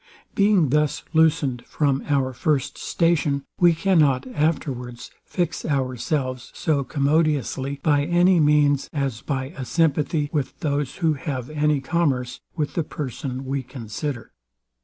Being thus loosened from our first station, we cannot afterwards fix ourselves so commodiously by any means as by a sympathy with those, who have any commerce with the person we consider.